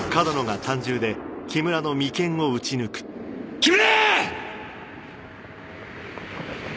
木村！